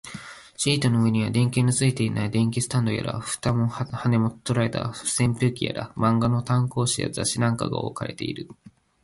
シートの上には、電球のついていない電気スタンドやら、蓋も羽も取れた扇風機やら、漫画の単行本や雑誌なんかが置かれている